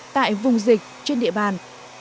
tại vùng dịch trên địa bàn